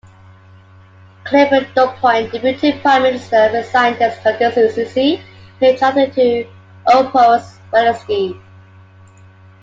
Clifford Dupont, Deputy Prime Minister, resigned his constituency in Charter to oppose Welensky.